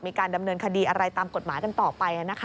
มีการดำเนินคดีอะไรตามกฎหมายกันต่อไป